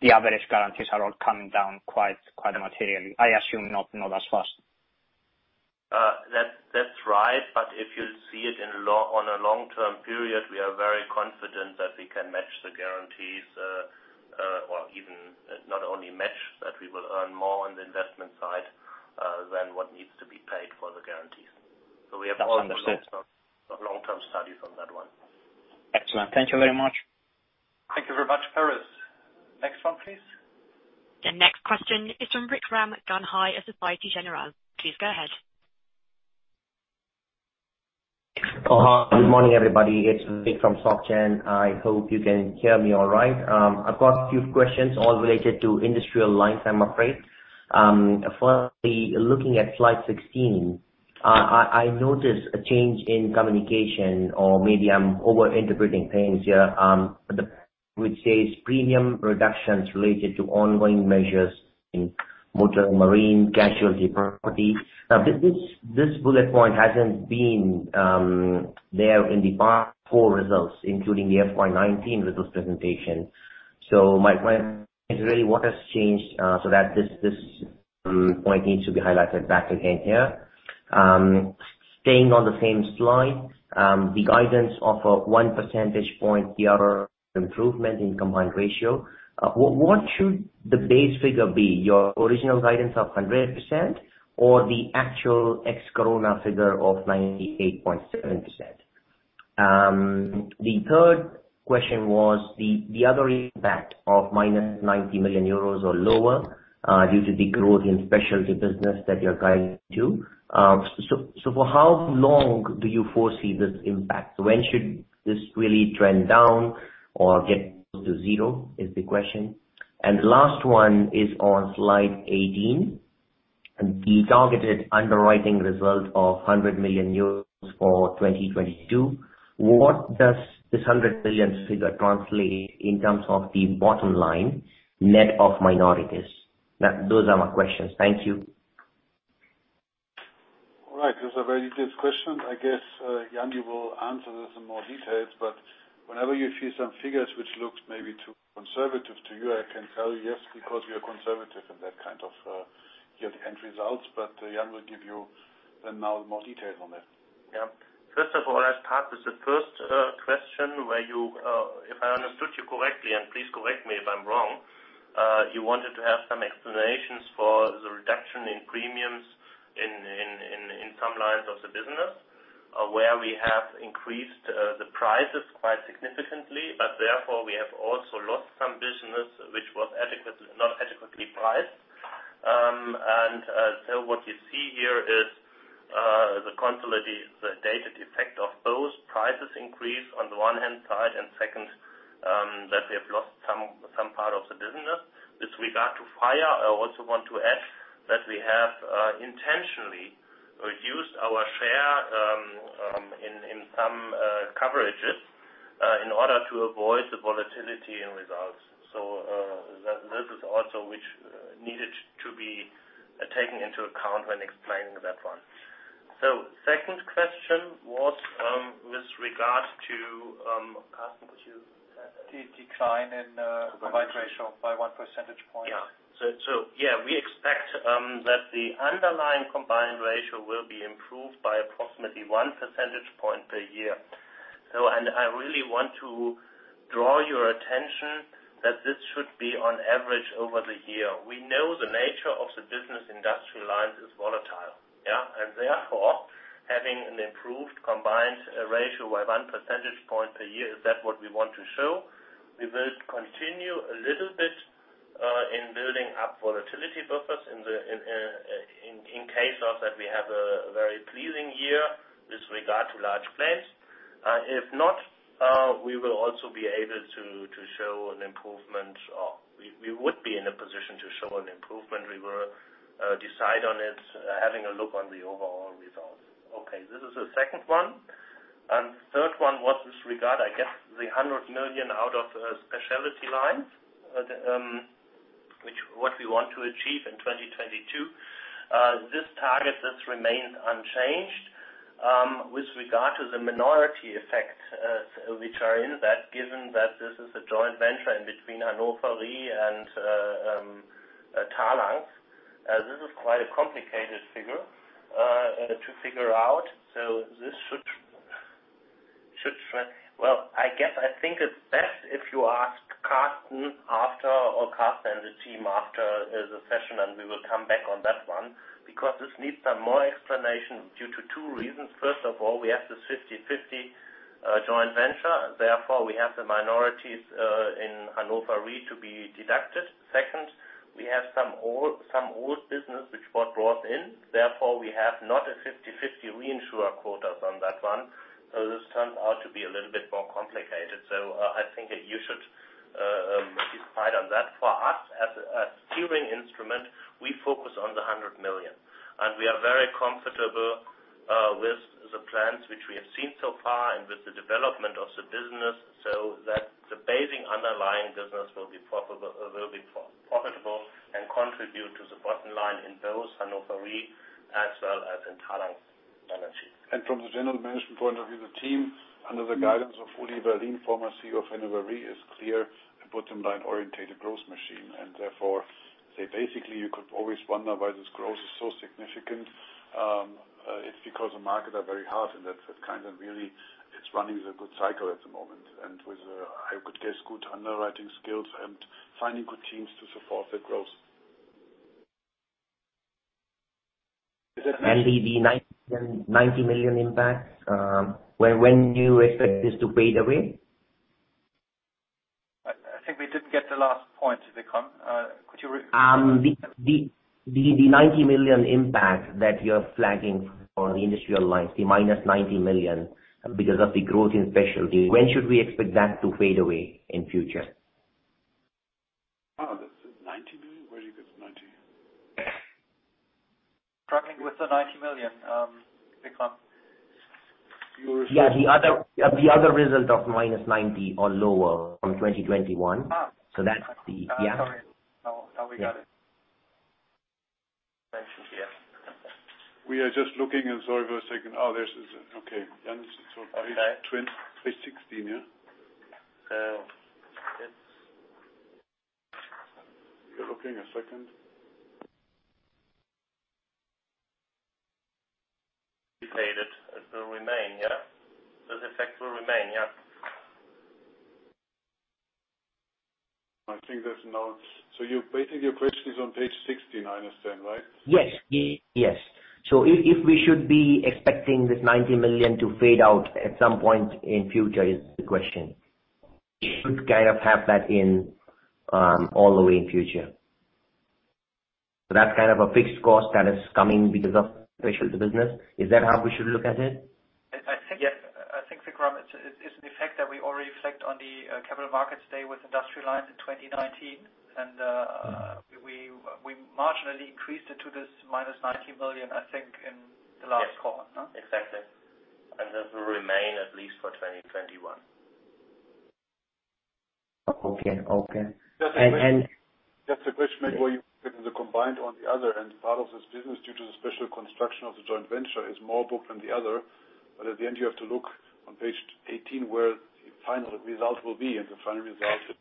the average guarantees are all coming down quite materially? I assume not as fast. That's right. If you see it on a long-term period, we are very confident that we can match the guarantees. Well, even not only match, that we will earn more on the investment side than what needs to be paid for the guarantees. That's understood. long-term studies on that one. Excellent. Thank you very much. Thank you very much, Paris. Next one, please. The next question is from Vikram Gandhi of Société Générale. Please go ahead. Hi. Good morning, everybody. It's Vikram from Soc Gen. I hope you can hear me all right. I've got a few questions, all related to Industrial Lines, I'm afraid. Firstly, looking at slide 16, I noticed a change in communication, or maybe I'm over-interpreting things here. Which says premium reductions related to ongoing measures in motor, marine, casualty, property. Now, this bullet point hasn't been there in the past four results, including the FY 2019 results presentation. My point is really what has changed so that this point needs to be highlighted back again here. Staying on the same slide, the guidance of a one percentage point [year-over-year] improvement in combined ratio. What should the base figure be, your original guidance of 100% or the actual ex-corona figure of 98.7%? The third question was the other impact of -90 million euros or lower, due to the growth in Specialty business that you're guiding to. For how long do you foresee this impact? When should this really trend down or get close to 0, is the question. Last one is on slide 18. The targeted underwriting result of 100 million euros for 2022. What does this 100 billion figure translate in terms of the bottom line net of minorities? Those are my questions. Thank you. All right. Those are very good questions. I guess Jan will answer this in more details, whenever you see some figures which looks maybe too conservative to you, I can tell you, yes, because we are conservative in that kind of year-end results. Jan will give you more details on that. Yeah. First of all, I'll start with the first question, where you, if I understood you correctly, and please correct me if I'm wrong. You wanted to have some explanations for the reduction in premiums in some lines of the business, where we have increased the prices quite significantly. Therefore, we have also lost some business which was not adequately priced. What you see here is the consolidated effect of those prices increase on the one hand side, and second, that we have lost some part of the business. With regard to fire, I also want to add that we have intentionally reduced our share in some coverages, in order to avoid the volatility in results. This is also which needed to be taken into account when explaining that one. Second question was with regard to, Carsten, would you? The decline in combined ratio by one percentage point. Yeah. We expect that the underlying combined ratio will be improved by approximately one percentage point per year. I really want to draw your attention that this should be on average over the year. We know the nature of the business Industrial Lines is volatile. Yeah. Therefore, having an improved combined ratio by one percentage point per year, is that what we want to show. We will continue a little bit, in building up volatility buffers in case of that we have a very pleasing year with regard to large claims. If not, we will also be able to show an improvement or we would be in a position to show an improvement. We will decide on it, having a look on the overall results. This is the second one. Third one was this regard, I guess, the 100 million out of Specialty. What we want to achieve in 2022. This target, this remains unchanged. With regard to the minority effect, which are in that, given that this is a joint venture in between Hannover Re and Talanx. This is quite a complicated figure to figure out. Well, I guess, I think it's best if you ask Carsten after, or Carsten and the team after the session, and we will come back on that one, because this needs some more explanation due to two reasons. First of all, we have this 50/50 joint venture, therefore we have the minorities in Hannover Re to be deducted. Second, we have some old business which was brought in. Therefore, we have not a 50/50 reinsurer quota on that one. This turns out to be a little bit more complicated. I think that you should decide on that. For us, as a steering instrument, we focus on the 100 million, and we are very comfortable with the plans which we have seen so far and with the development of the business, so that the basing underlying business will be profitable and contribute to the bottom line in both Hannover Re as well as in Talanx AG. From the general management point of view, the team, under the guidance of Ulrich Wallin, former CEO of Hannover Re, is clear a bottom line orientated growth machine. Therefore, you could always wonder why this growth is so significant. It's because the market are very hard and that kind of really, it's running the good cycle at the moment. With, I could guess, good underwriting skills and finding good teams to support the growth. The 90 million impact, when do you expect this to fade away? I think we didn't get the last point, Vikram, could you? The 90 million impact that you're flagging on the Industrial Lines, the -90 million because of the growth in Specialty. When should we expect that to fade away in future? Oh, that's 90 million. Where did you get the 90? Struggling with the 90 million, Vikram. Yeah, the other result of -90 or lower from 2021. That's Yeah. Sorry. Now we got it. We are just looking. Sorry for a second. Oh, there it is. Okay. Jan, page 16, yeah. Yes. We're looking, a second. Faded. It will remain, yeah? The effect will remain, yeah. Basically, your question is on page 16, I understand, right? Yes. If we should be expecting this 90 million to fade out at some point in future is the question? Should kind of have that in all the way in future. That's a fixed cost that is coming because of Specialty business. Is that how we should look at it? Yes. I think, Vikram, it's the effect that we already reflect on the Capital Market Day with Industrial Lines in 2019. We marginally increased it to this minus 90 million, I think, in the last quarter, no? Yes, exactly. This will remain at least for 2021. Okay. Just a question, maybe where you put the combined on the other end, part of this business, due to the special construction of the joint venture, is more book than the other. At the end, you have to look on page 18 where the final result will be. The final result is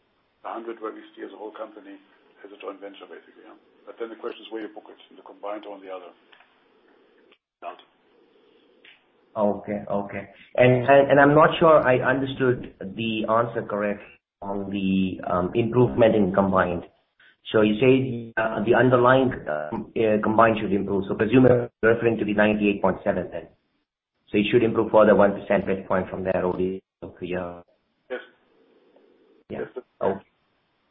100, where we see as a whole company has a joint venture, basically. The question is where you book it, in the combined or on the other. I'm not sure I understood the answer correct on the improvement in combined. You say the underlying combined should improve. Presumably, you're referring to the 98.7% then. It should improve for the 1% base point from there only per year. Yes. Yeah. Okay.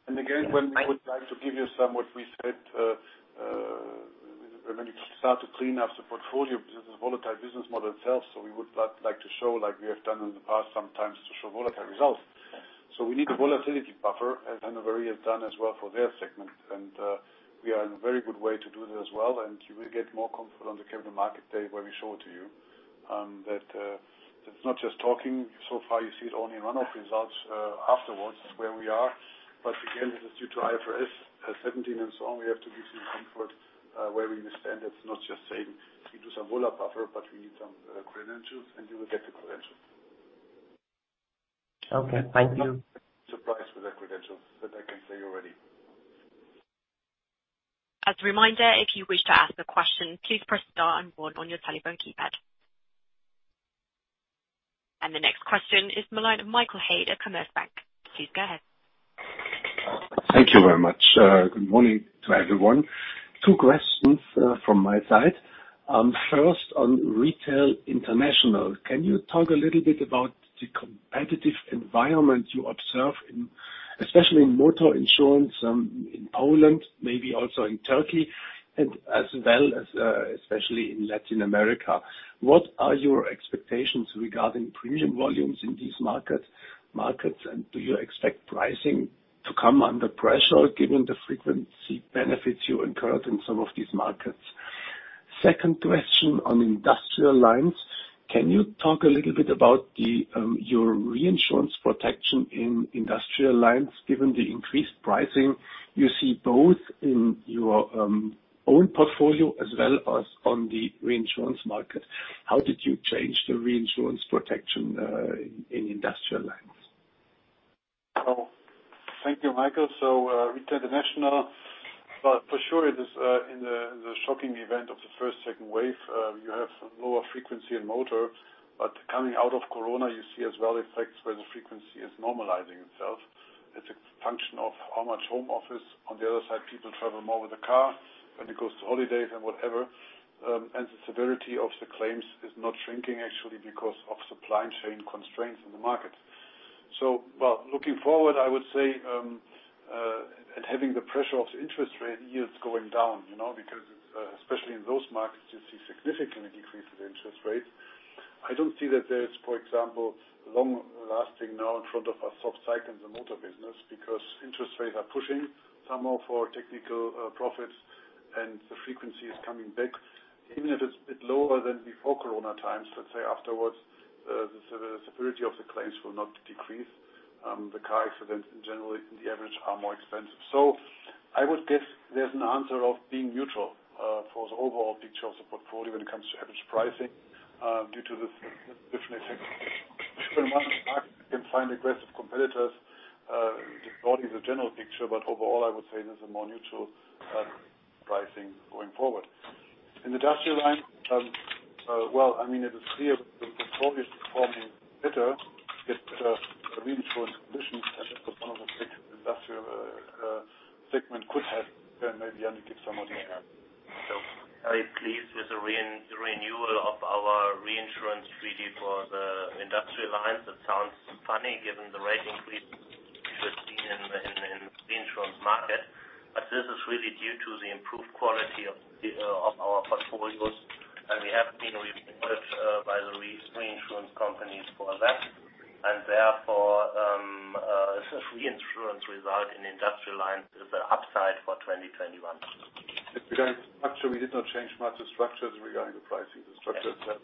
Again, when we would like to give you some, what we said, when you start to clean up the portfolio, because it's a volatile business model itself, we would like to show, like we have done in the past sometimes, to show volatile results. We need a volatility buffer, as Hannover have done as well for their segment. We are in a very good way to do that as well, and you will get more comfort on the Capital Market Day when we show it to you. That it's not just talking. Far, you see it only in one-off results afterwards, where we are. Again, this is due to IFRS 17 and so on. We have to give some comfort where we stand. It's not just saying we do some vola buffer, but we need some credentials, and you will get the credentials. Okay, thank you. Surprised with the credentials. That I can say already. As a reminder, if you wish to ask a question, please press star and one on your telephone keypad. The next question is the line of Michael Huettner of Commerzbank. Please go ahead. Thank you very much. Good morning to everyone. Two questions from my side. First, on Retail International, can you talk a little bit about the competitive environment you observe, especially in motor insurance in Poland, maybe also in Turkey, and as well as especially in Latin America. What are your expectations regarding premium volumes in these markets, and do you expect pricing to come under pressure given the frequency benefits you incurred in some of these markets? Second question on Industrial Lines. Can you talk a little bit about your reinsurance protection in Industrial Lines, given the increased pricing you see both in your own portfolio as well as on the reinsurance market? How did you change the reinsurance protection in Industrial Lines? Thank you, Michael. Retail International, for sure, in the shocking event of the first, second wave, you have lower frequency in motor. Coming out of COVID, you see as well effects where the frequency is normalizing itself. It's a function of how much home office. On the other side, people travel more with the car when it goes to holidays and whatever. The severity of the claims is not shrinking, actually, because of supply chain constraints in the market. Well, looking forward, I would say, having the pressure of the interest rate yields going down, because especially in those markets, you see significantly decreased interest rates. I don't see that there is, for example, long-lasting now in front of a soft cycle in the motor business, because interest rates are pushing some of our technical profits, and the frequency is coming back. Even if it's a bit lower than before COVID times, let's say afterwards, the severity of the claims will not decrease. The car accidents, generally, the average are more expensive. I would guess there's an answer of being neutral for the overall picture of the portfolio when it comes to average pricing due to this different effect. Different markets can find aggressive competitors, not in the general picture, but overall, I would say there's a more neutral pricing going forward. In Industrial Lines, well, it is clear the portfolio is performing better. It's reinsurance conditions, and that's what one of the biggest industrial segments could have. Maybe Jan can give some more. I am pleased with the renewal of our reinsurance treaty for the Industrial Lines. That sounds funny given the rate increase we have seen in reinsurance market. This is really due to the improved quality of our portfolios. We have been rewarded by the reinsurance companies for that. Therefore, this reinsurance result in Industrial Lines is an upside for 2021. Actually, we did not change much the structures regarding the pricing. The structures have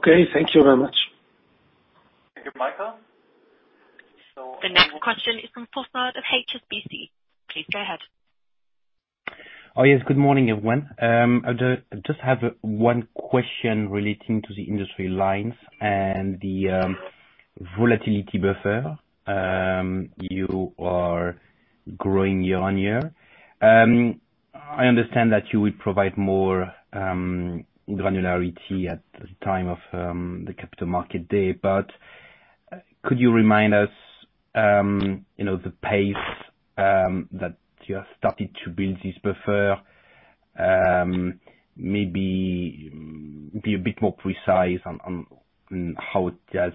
Okay, thank you very much. Thank you, Michael. The next question is from Firas of HSBC. Please go ahead. Oh, yes. Good morning, everyone. I just have one question relating to the Industrial Lines and the volatility buffer. You are growing year-on-year. I understand that you will provide more granularity at the time of the Capital Market Day, but could you remind us the pace that you have started to build this buffer? Maybe be a bit more precise on how it has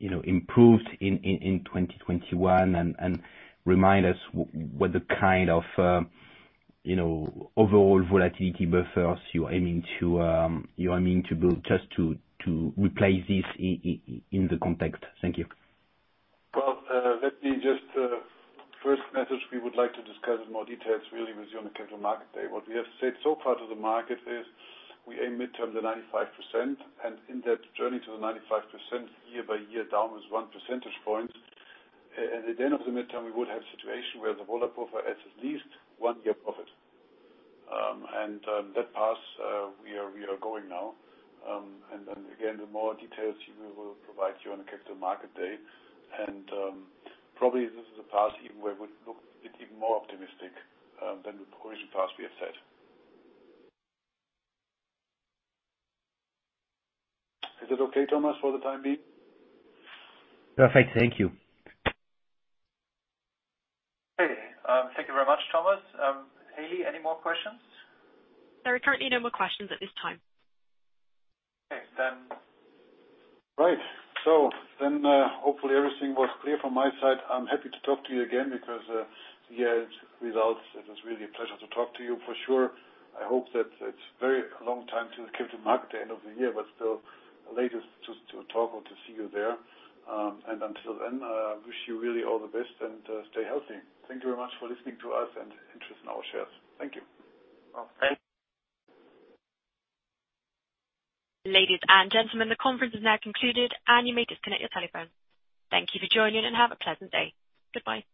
improved in 2021, and remind us what the kind of overall volatility buffers you are aiming to build just to replace this in the context. Thank you. Well, let me just, first methods we would like to discuss in more details really with you on the Capital Market Day. What we have said so far to the market is we aim midterm to 95%, and in that journey to the 95%, year-by-year down is one percentage point. At the end of the midterm, we would have situation where the vola buffer has at least one year profit. That path, we are going now. Again, the more details we will provide you on the Capital Market Day. Probably, this is a path even where we look a bit even more optimistic than the original path we have set. Is it okay, Thomas, for the time being? Perfect. Thank you. Okay. Thank you very much, Thomas. Hailey, any more questions? There are currently no more questions at this time. Okay, then. Right. Hopefully, everything was clear from my side. I'm happy to talk to you again because, yeah, results, it is really a pleasure to talk to you for sure. I hope that it's very long time till the Capital Market, end of the year, but still, latest to talk or to see you there. Until then, I wish you really all the best, and stay healthy. Thank you very much for listening to us and interest in our shares. Thank you. Well, thank you. Ladies and gentlemen, the conference is now concluded, and you may disconnect your telephone. Thank you for joining, and have a pleasant day. Goodbye.